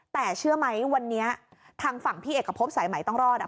แต่เชื่อไหมวันนี้ทางฝั่งพี่เอกพบสายใหม่ต้องรอดอ่ะ